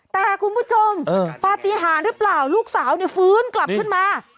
แต่คุณผู้ชมปฏิหารหรือเปล่าลูกสาวฟื้นกลับขึ้นมา